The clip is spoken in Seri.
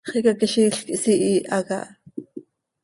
Xicaquiziil quih sihiiha caha.